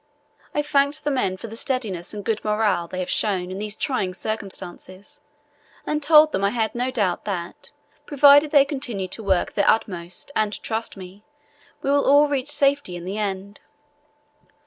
I thanked the men for the steadiness and good morale they have shown in these trying circumstances, and told them I had no doubt that, provided they continued to work their utmost and to trust me, we will all reach safety in the end.